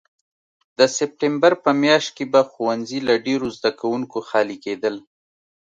د سپټمبر په میاشت کې به ښوونځي له ډېرو زده کوونکو خالي کېدل.